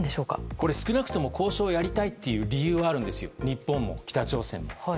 これ、少なくとも交渉をやりたいという理由はあるんです日本も、北朝鮮も。